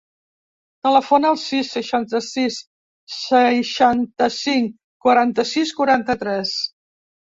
Telefona al sis, seixanta-sis, seixanta-cinc, quaranta-sis, quaranta-tres.